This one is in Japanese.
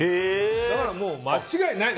だから間違いない。